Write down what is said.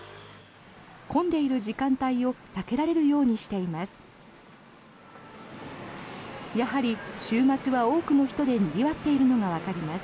混んでいる時間帯を避けられるようにしています。